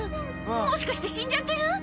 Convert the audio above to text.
「もしかして死んじゃってる？」